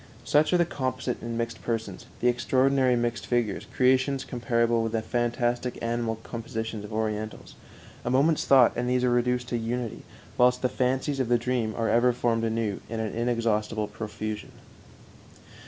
Such are the composite and mixed persons, the extraordinary mixed figures, creations comparable with the fantastic animal compositions of Orientals; a moment's thought and these are reduced to unity, whilst the fancies of the dream are ever formed anew in an inexhaustible profusion.